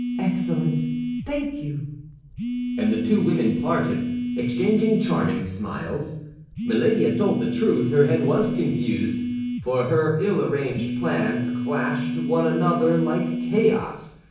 "Excellent; thank you!" And the two women parted, exchanging charming smiles. Milady had told the truth—her head was confused, for her ill arranged plans clashed one another like chaos.